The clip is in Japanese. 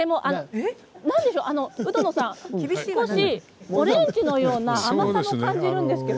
なんでしょう少しオレンジのような甘さも感じるんですけど。